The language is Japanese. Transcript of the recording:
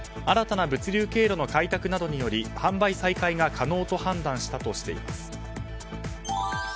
新たな物流経路の開拓などにより販売再開が可能と判断したとしています。